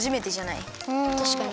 たしかに。